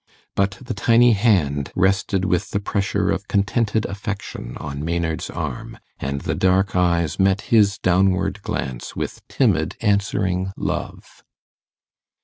But the tiny hand rested with the pressure of contented affection on Maynard's arm, and the dark eyes met his downward glance with timid answering love.